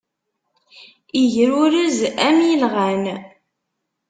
Igrurez, am ilɣan.